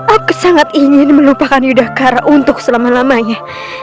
aku sangat ingin melupakan yudhacara untuk selama lamanya